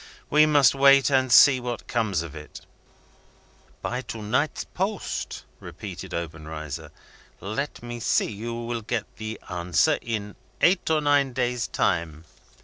"We must wait, and see what comes of it." "By to night's post," repeated Obenreizer. "Let me see. You will get the answer in eight or nine days' time.